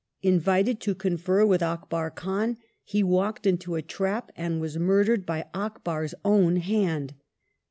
Invited to confer with Akbar Kh^n he walked into a trap and was murdered by Akbar's own hand (Dec.